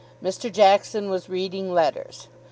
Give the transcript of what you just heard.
Mr. Jackson was reading letters.